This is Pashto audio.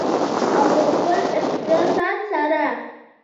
او په خپل اقتصاد سره.